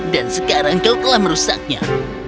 dan sekarang kau telah merusaknya